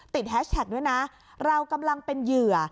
แฮชแท็กด้วยนะเรากำลังเป็นเหยื่อ